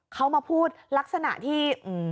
เขามาพูดลักษณะที่